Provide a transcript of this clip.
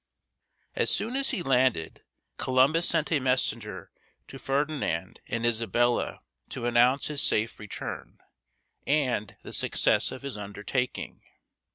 ] As soon as he landed, Columbus sent a messenger to Ferdinand and Isabella to announce his safe return, and the success of his undertaking.